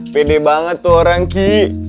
pede banget tuh orang ki